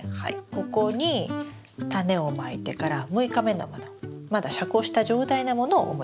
ここにタネをまいてから６日目のものまだ遮光した状態のものをお持ちしました。